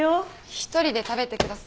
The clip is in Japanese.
一人で食べてください。